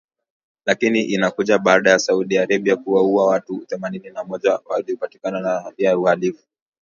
Lakini inakuja baada ya Saudi Arabia kuwaua watu themanini na moja waliopatikana na hatia ya uhalifu